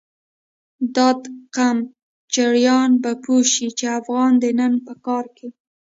دادقم چړیان به پوه شی، چی افغان د ننګ په کار کی